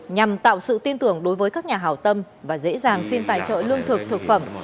nhằm tạo sự tin tưởng đối với các nhà hào tâm và dễ dàng xin tài trợ lương thực thực phẩm